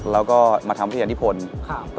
แล้วก็มาทำวิทยาลีฟที่ผล